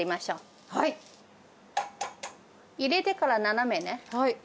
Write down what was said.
入れてから斜めね。